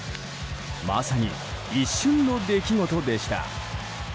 まさに一瞬の出来事でした。